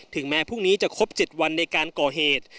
แม้พรุ่งนี้จะครบ๗วันในการก่อเหตุ